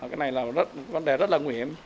cái này là vấn đề rất là nguy hiểm